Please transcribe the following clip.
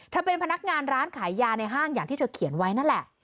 เป็นพนักงานร้านขายยาในห้างอย่างที่เธอเขียนไว้นั่นแหละ